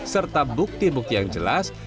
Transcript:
serta bukti bukti yang jelas